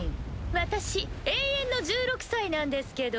私永遠の１６歳なんですけど。